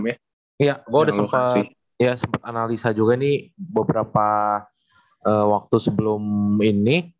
iya gue udah sempat analisa juga nih beberapa waktu sebelum ini